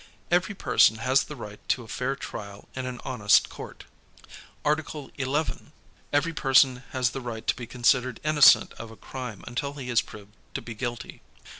Every person has the right to a fair trial in an honest court. Article 11. Every person has tlie riglu to be considered innocent of a crime until he is proved to be guilty.